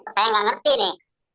saya tidak mengerti ini